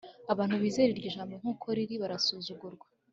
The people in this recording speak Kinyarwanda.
Abantu bizera iryo jambo nkuko riri barasuzugurwa